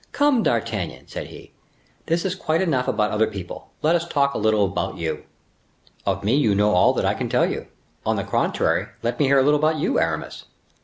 "Come, D'Artagnan," said he; "this is quite enough about other people, let us talk a little about you." "Of me you know all that I can tell you. On the contrary let me hear a little about you, Aramis."